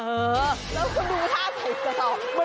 เออแล้วคุณดูท่าใส่กระสอบ